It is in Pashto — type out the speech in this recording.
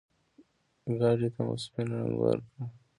ګاډي ته مو سپين رنګ ورکړ.